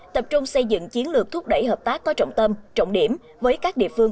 tập trung xây dựng chiến lược thúc đẩy hợp tác có trọng tâm trọng điểm với các địa phương